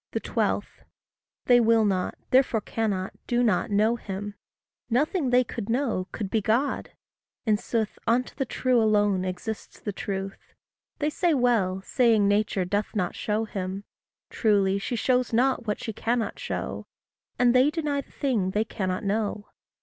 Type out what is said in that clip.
12. They will not, therefore cannot, do not know him. Nothing they could know, could be God. In sooth, Unto the true alone exists the truth. They say well, saying Nature doth not show him: Truly she shows not what she cannot show; And they deny the thing they cannot know.